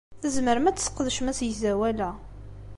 Tzemrem ad tesqedcem asegzawal-a.